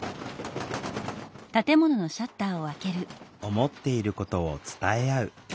思っていることを伝え合う。